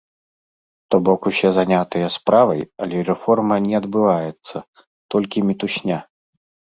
То бок усе занятыя справай, але рэформа не адбываецца, толькі мітусня!